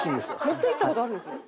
持っていった事あるんですね。